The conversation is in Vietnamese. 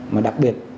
mà đặc biệt